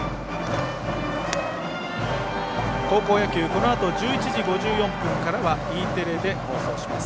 高校野球、このあと１１時５４分からはＥテレで放送します。